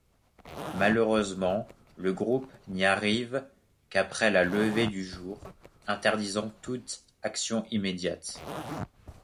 Malheureusement le groupe n'y arrive qu'après la levée du jour, interdisant toute action immédiate.